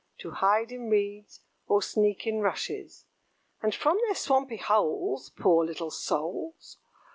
] To hide in reeds, or sneak in rushes; And from their swampy holes, poor little souls!